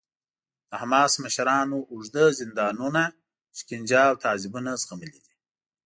د حماس مشرانو اوږده زندانونه، شکنجه او تعذیبونه زغملي دي.